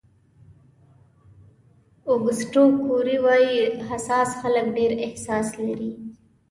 اوګسټو کوري وایي حساس خلک ډېر احساس لري.